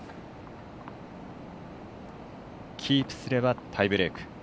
キープすればタイブレーク。